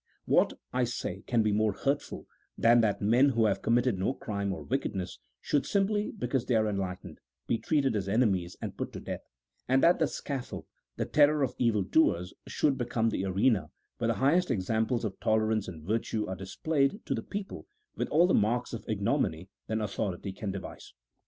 What, I say, can be more hurtful than that men who have committed no crime or wickedness should, simply because they are enlightened, be treated as enemies and put to death, and that the scaffold, the terror of evil doers, should become the arena where the highest examples of tolerance and virtue are dis played to the people with all the marks of ignominy that authority can devise